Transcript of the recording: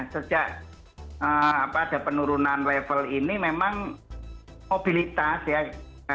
sejak ada penurunan level ini memang mobilitas ya